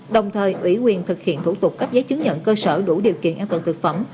đồng thời ủy quyền thực hiện thủ tục cấp giấy chứng nhận cơ sở đủ điều kiện an toàn thực phẩm